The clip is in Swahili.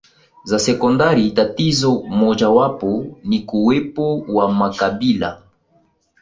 za sekondari Tatizo mojawapo ni kuwepo wa makabila